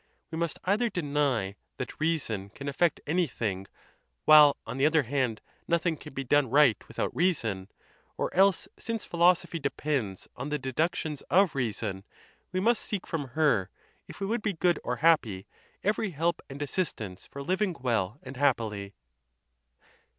We must either deny that reason can effect anything, while, on the other hand, nothing can be done right without reason, or else, since philosophy. de pends on the deductions of reason, we must seek from her, if we would be good or happy, every help and assistance for living well and happily.